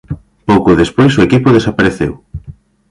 Pouco despois o equipo desapareceu.